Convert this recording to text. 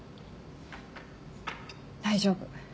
大丈夫